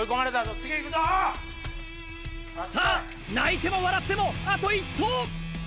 さぁ泣いても笑ってもあと１投！